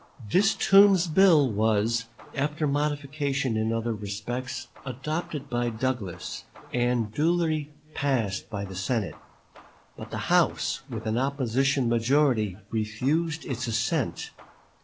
This Toombs bill was, after modification in other respects, adopted by Douglas, and duly passed by the Senate; but the House with an opposition majority refused its assent.